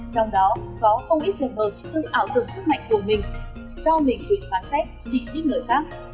trong đó có không ít trường hợp tự ảo tưởng sức mạnh của mình cho mình bị phán xét chỉ trích người khác